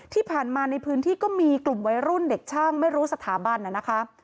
ที่ผ่านมาในพื้นที่ก็มีกลุ่มวัยรุ่นเด็กช่างไม่รู้สถาบันน่ะนะคะ